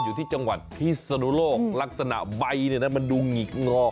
อยู่ที่จังหวัดพิศนุโลกลักษณะใบเนี่ยนะมันดูหงิกงอ